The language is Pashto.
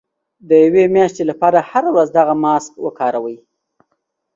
د يوې مياشتې لپاره هره ورځ دغه ماسک وکاروئ.